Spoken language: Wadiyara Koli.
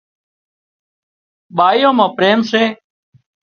ٻائيان مان پريم سي